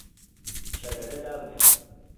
چەکەکە دابنێ!